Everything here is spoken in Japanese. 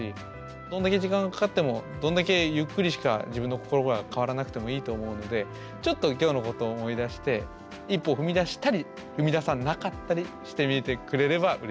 どんだけ時間がかかってもどんだけゆっくりしか自分の心が変わらなくてもいいと思うのでちょっと今日のことを思い出して一歩踏み出したり踏み出さなかったりしてみてくれればうれしいなと思います。